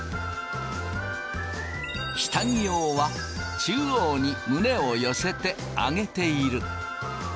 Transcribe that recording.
下着用は中央に胸を寄せて上げている。